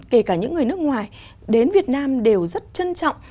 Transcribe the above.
kể cả những người nước ngoài đến việt nam đều rất trân trọng